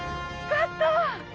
勝った！